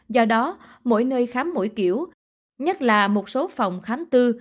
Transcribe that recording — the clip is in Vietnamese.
do đó mỗi nơi khám mỗi kiểu nhất là một số phòng khám tư